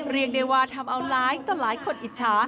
เรียกได้ว่าทำเอาหลายต่อหลายคนอิจฉา